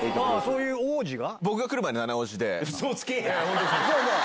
そういう王子が？